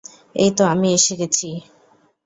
এইতো আমি এসে গেছি।